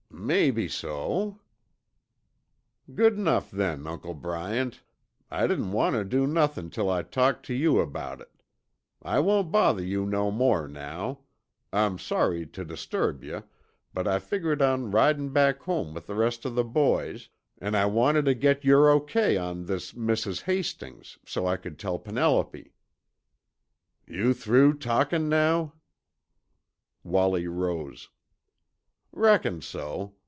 "Maybe so." "Good enough then, Uncle Bryant. I didn't want tuh do nothin' till I'd talked tuh you about it. I won't bother you no more now. I'm sorry tuh disturb you, but I figgered on ridin' back home with the rest of the boys, an' I wanted tuh get yer okey on this Mrs. Hastings so's I could tell Penelope." "You through talkin' now?" Wallie rose. "Reckon so.